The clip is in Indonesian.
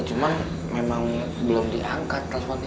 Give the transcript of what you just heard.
cuma memang belum diangkat responnya